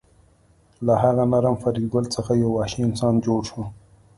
له هغه نرم فریدګل څخه یو وحشي انسان جوړ شو